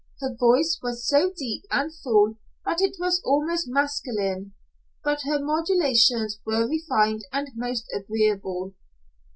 Her voice was so deep and full that it was almost masculine, but her modulations were refined and most agreeable.